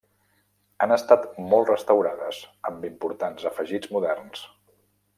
Han estat molt restaurades, amb importants afegits moderns.